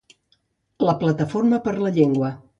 La Plataforma per la Llengua.